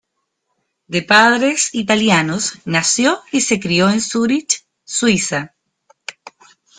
De padres italianos, nació y se crio en Zúrich, Suiza.